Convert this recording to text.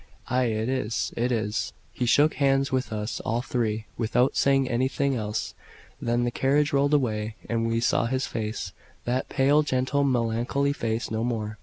"Ay, it is, it is." He shook hands with us all three, without saying anything else; then the carriage rolled away, and we saw his face that pale, gentle, melancholy face no more.